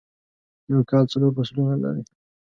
یوکال څلور فصلونه لری